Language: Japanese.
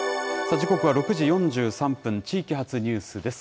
時刻は６時４３分、地域発ニュースです。